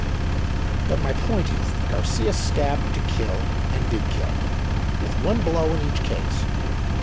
"But my point is that Garcia stabbed to kill and did kill, with one blow in each case.